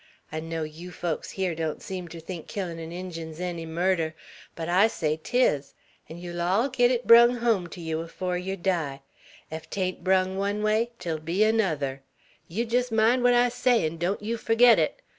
I know yeow folks hyar don't seem ter think killin' an Injun's enny murder, but I say 'tis; an' yeow'll all git it brung home ter yer afore yer die: ef 'tain't brung one way, 't'll be anuther; yeow jest mind what I say, 'n' don't yeow furgit it.